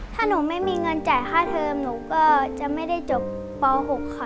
ถ้าหนูไม่มีเงินจ่ายค่าเทอมหนูก็จะไม่ได้จบป๖ค่ะ